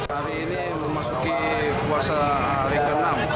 hari ini memasuki puasa hari ke enam